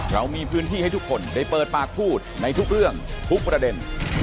เรามีพื้นที่ให้ทุกคนได้เปิดปากพูดในทุกเรื่องทุกประเด็น